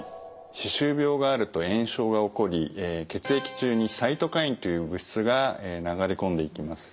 歯周病があると炎症が起こり血液中にサイトカインという物質が流れ込んでいきます。